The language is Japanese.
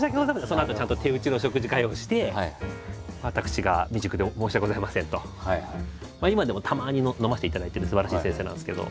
そのあとちゃんと手打ちの食事会をして今でもたまに飲ませていただいてるすばらしい先生なんですけど。